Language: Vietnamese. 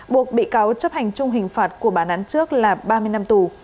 buộc bị cáo chấp hành chung hình phạt của bản án trước là ba mươi năm tù